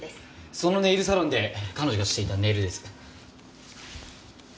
そのネイルサロンで彼女がしていたネイルです。